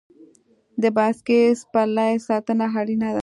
د بایسکل سپرلۍ ساتنه اړینه ده.